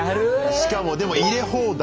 しかもでも入れ放題。